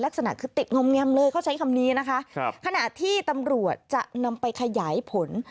ขนาดที่ตำรวจจะนำไปขยายผล